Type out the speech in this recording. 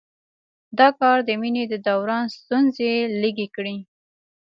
دا کار د وینې د دوران ستونزې لږې کړي.